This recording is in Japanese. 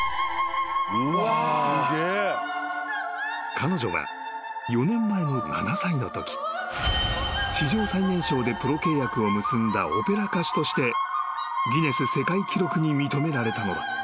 ［彼女は４年前の７歳のとき史上最年少でプロ契約を結んだオペラ歌手としてギネス世界記録に認められたのだ］